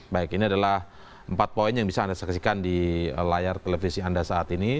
bikin adalah empat poin yang bisa anda saksikan dilayar tv anda saat ini